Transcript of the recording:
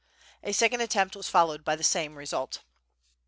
A second attempt was followed by the same result.